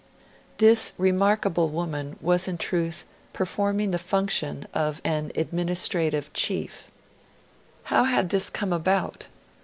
This remarkable woman was in truth performing the function of an administrative chief. How had this come about?